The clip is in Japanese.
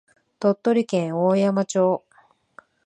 鳥取県大山町